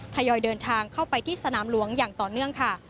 ยอยเดินทางเข้าไปที่สนามหลวงอย่างต่อเนื่องค่ะ